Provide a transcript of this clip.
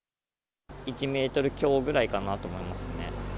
１メートル強ぐらいかなと思いますね。